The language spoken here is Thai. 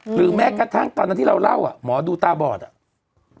หรือแม้กระทั่งตอนนั้นที่เราเล่าอ่ะหมอดูตาบอดอ่ะ